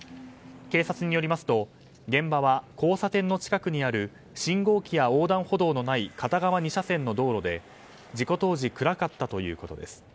警察によりますと現場は交差点の近くにある信号機や横断歩道のない片側２車線の道路で事故当時暗かったということです。